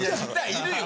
いるよ